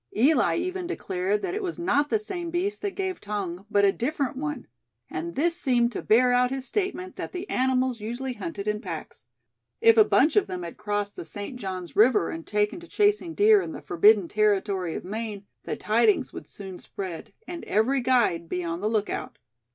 Eli even declared that it was not the same beast that gave tongue, but a different one; and this seemed to bear out his statement that the animals usually hunted in packs. If a bunch of them had crossed the St. Johns river, and taken to chasing deer in the forbidden territory of Maine, the tidings would soon spread, and every guide be on the lookout.